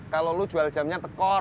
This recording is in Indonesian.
kalau lo jual jamnya tekor